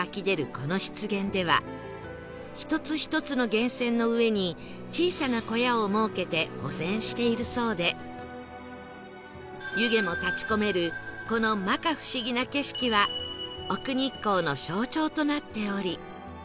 この湿原では１つ１つの源泉の上に小さな小屋を設けて保全しているそうで湯気も立ち込めるこの摩訶不思議な景色は奥日光の象徴となっており